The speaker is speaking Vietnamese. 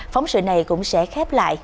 phóng sự này cũng sẽ khép lại